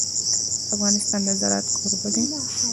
افغانستان د زراعت کوربه دی.